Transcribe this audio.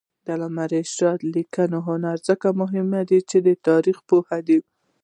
د علامه رشاد لیکنی هنر مهم دی ځکه چې تاریخپوه دی.